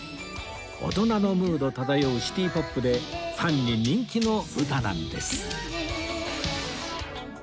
大人のムード漂うシティポップでファンに人気の歌なんです